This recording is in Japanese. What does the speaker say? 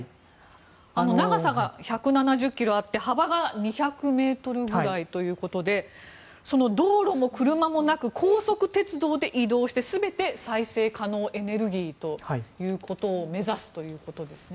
長さ１７０ｋｍあって幅が２００ｍぐらいということで道路も車もなく、高速鉄道で移動して全て再生可能エネルギーということを目指すということですね。